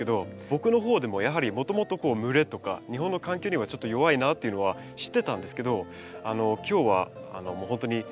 僕の方でもやはりもともと蒸れとか日本の環境にはちょっと弱いなっていうのは知ってたんですけど今日はほんとに何ですかね